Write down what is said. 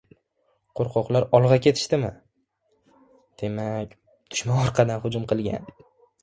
— Qo‘rqoqlar olg‘a ketishdimi?.. Demak, dushman orqadan hujum qilgan.